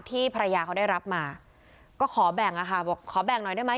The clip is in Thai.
ภรรยาเขาได้รับมาก็ขอแบ่งอะค่ะบอกขอแบ่งหน่อยได้ไหม